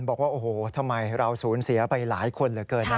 บอกว่าโอ้โหทำไมเราสูญเสียไปหลายคนเหลือเกินนะ